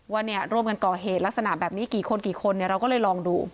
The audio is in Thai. ว่าเนี่ยร่วมกันก่อเหตุลักษณะแบบนี้กี่คนกี่คนเนี่ยเราก็เลยลองดู